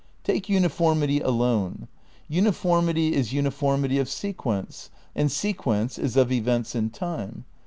Take uniformity alone. Uniformity is uniformity of se quence and sequence is of events in time.